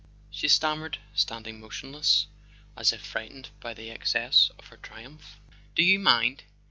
she stammered, standing motionless, as if frightened by the excess of her triumph. "Do you mind?"